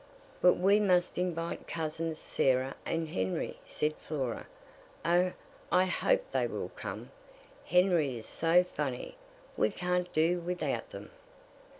"But we must invite cousins Sarah and Henry," said Flora. "O, I hope they will come! Henry is so funny; we can't do without them."